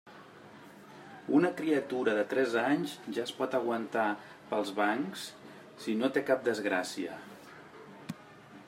Una criatura de tres anys ja es pot aguantar pels bancs, si no té cap desgràcia.